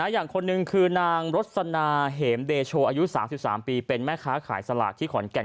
อย่างคนหนึ่งคือนางรสนาเหมเดโชอายุ๓๓ปีเป็นแม่ค้าขายสลากที่ขอนแก่น